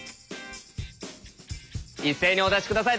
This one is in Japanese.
一斉にお出し下さい。